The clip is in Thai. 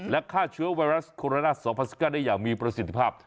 และฆ่าเชื้อไวรัสโคโรนา๒๐๑๙ได้อย่างมีประสิทธิภาพ